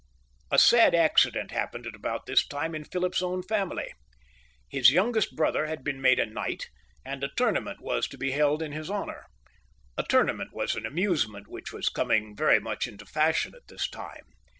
A sad accident happened at about this time in Philip's own family. His youngest brother had been made a knight, and a tournament was to be held in his honour. A tournament was an amusement which was coming very much into fashion at this time.